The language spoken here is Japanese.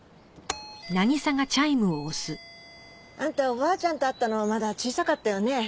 あんたおばあちゃんと会ったのまだ小さかったよね。